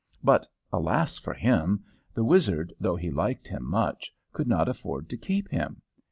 But alas for him! The wizard, though he liked him much, could not afford to keep him.